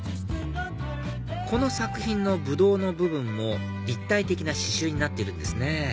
この作品のブドウの部分も立体的な刺繍になっているんですね